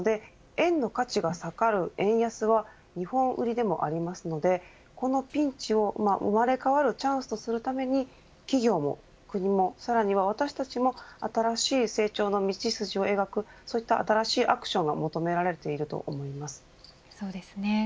円の価値が下がる円安は日本売りでもありますのでこのピンチを生まれ変わるチャンスとするために企業も国も、さらには私たちも新しい成長の道筋を描く新しいアクションが求められていると思います。